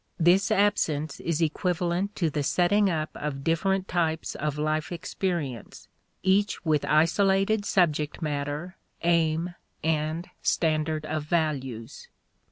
This absence is equivalent to the setting up of different types of life experience, each with isolated subject matter, aim, and standard of values.